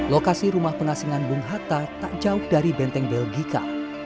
lokasi rumah pengasingan bung hatta tak jauh dari benteng belgika